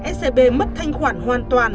scb mất thanh khoản hoàn toàn